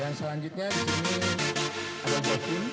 dan selanjutnya disini ada joffin